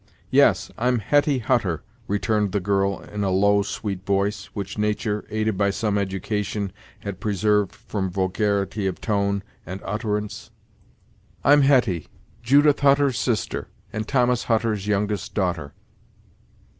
"Yes, I'm Hetty Hutter" returned the girl in a low, sweet voice, which nature, aided by some education, had preserved from vulgarity of tone and utterance "I'm Hetty; Judith Hutter's sister; and Thomas Hutter's youngest daughter."